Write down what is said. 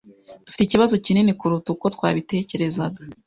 Dufite ikibazo kinini kuruta uko twabitekerezaga.